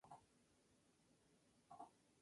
El álbum mezcla sonidos soul, folk, gospel y blues.